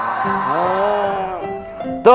menidurkan me ruh